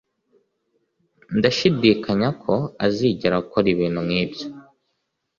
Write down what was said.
Ndashidikanya ko azigera akora ibintu nkibyo.